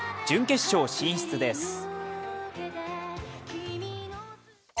準決勝進出です。